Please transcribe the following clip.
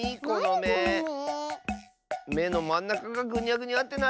めのまんなかがぐにゃぐにゃってなってる！